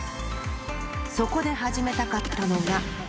そこで始めたかったのが。